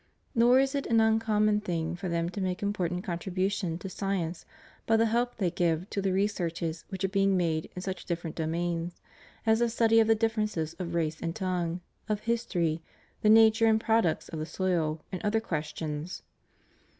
Nor is it an uncommon thing for them to make important contribution to science by the help they give to the researches which are being made in such different domains, as the study of the differences of race and tongue, of history, the nature and products of the soil, and other questions.